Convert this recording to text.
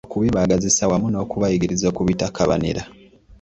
Okubibaagazisa wamu n’okubayigiriza okubitakabanira.